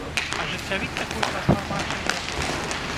Ажыццявіць такую трансфармацыю няпроста.